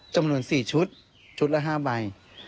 จำนวน๔ชุดชุดละ๕ใบ